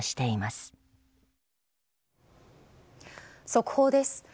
速報です。